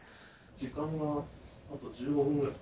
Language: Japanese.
時間があと１５分ぐらい。